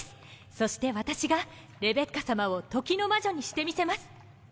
そして私がレベッカさまを時の魔女にしてみせます。